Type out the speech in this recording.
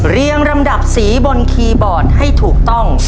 เรียงลำดับสีบนคีย์บอร์ดให้ถูกต้อง